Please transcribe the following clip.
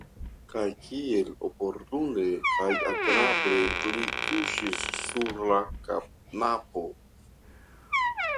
Kaj kiel oportune kaj agrable li kuŝis sur la kanapo!